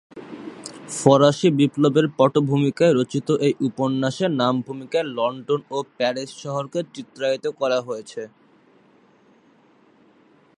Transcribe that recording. ফরাসি বিপ্লবের পটভূমিকায় রচিত এই উপন্যাসে নাম ভূমিকায় লন্ডন ও প্যারিস শহরকে চিত্রায়িত করা হয়েছে।